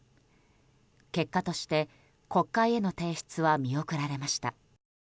結果として、国会への提出は見送られました。